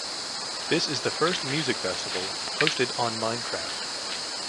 This is the first music festival hosted on "Minecraft".